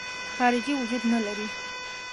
خارجي وجود نه لري.